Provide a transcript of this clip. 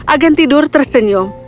agen tidur tersenyum